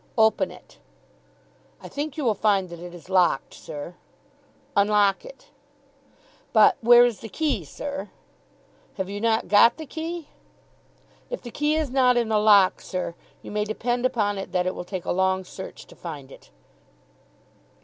"Open it." "I think you will find that it is locked, sir." "Unlock it." "But where is the key, sir?" "Have you not got the key?" "If the key is not in the lock, sir, you may depend upon it that it will take a long search to find it."